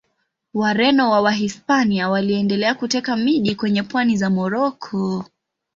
Wareno wa Wahispania waliendelea kuteka miji kwenye pwani za Moroko.